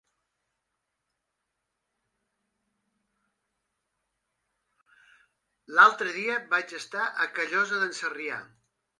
L'altre dia vaig estar a Callosa d'en Sarrià.